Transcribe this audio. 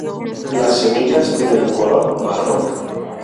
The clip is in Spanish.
Las semillas tienen un color marrón.